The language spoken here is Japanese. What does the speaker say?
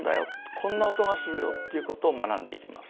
こんな音がするよっていうことを学んでいきます。